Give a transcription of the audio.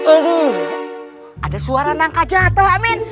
oh ada suara nangka jatuh amin